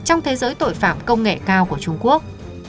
trong thế giới tội phạm công nghệ cao của trung quốc